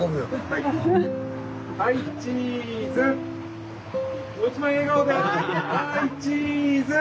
はいチーズ！